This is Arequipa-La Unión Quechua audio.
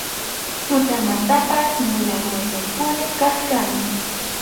Tutamantanpas mulallaywanpuni kaq kani.